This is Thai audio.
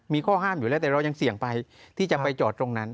มีข้อห้ามอยู่แล้วแต่เรายังเสี่ยงไปที่จะไปจอดตรงนั้น